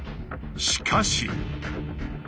しかし。